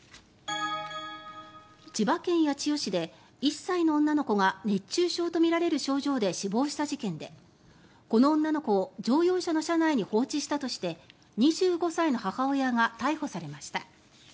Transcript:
千葉県八千代市で１歳の女の子が熱中症とみられる症状で死亡した事件でこの女の子を乗用車の車内に放置したとして２５歳の母親が逮捕されました。